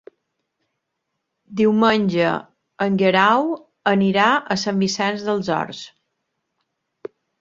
Diumenge en Guerau anirà a Sant Vicenç dels Horts.